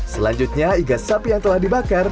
selanjutnya igas sapi yang telah dibakar